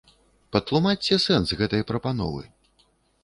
Патлумачце сэнс гэтай прапановы.